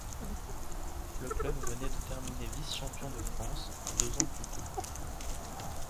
Le club venait de terminer vice-champion de France deux ans plus tôt.